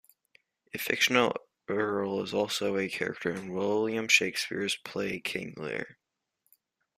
A fictional earl is also a character in William Shakespeare's play King Lear.